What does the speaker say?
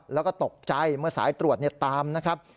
แล้วก็ตกใจเมื่อสายตรวจตามนะครับ